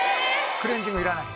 クレンジングいらない。